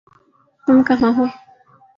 تم کہاں ہو؟